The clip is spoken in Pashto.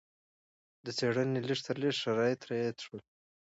د څېړنې لږ تر لږه شرایط رعایت شول.